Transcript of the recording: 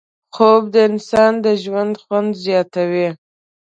خوب د انسان د ژوند خوند زیاتوي